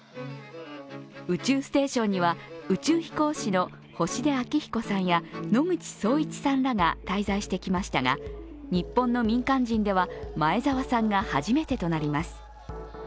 宇宙ステーションには宇宙飛行士の星出彰彦さんや野口聡一さんらが滞在してきましたが、日本の民間人では前澤さんが初めてとなります。